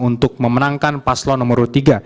untuk memenangkan paslon nomor tiga